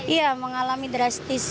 iya mengalami drastis